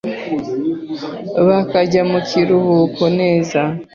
bakajya mu kiruhuko neza